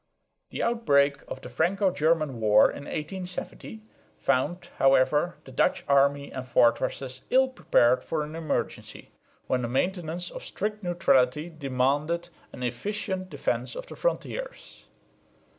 The outbreak of the Franco German war in 1870 found, however, the Dutch army and fortresses ill prepared for an emergency, when the maintenance of strict neutrality demanded an efficient defence of the frontiers.